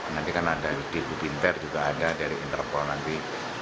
nanti kan ada di binter juga ada dari interpol nanti